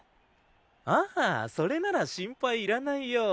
ああそれなら心配いらないよ。